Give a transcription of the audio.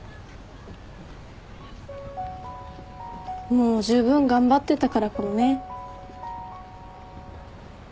もうじゅうぶん頑張ってたからかもね。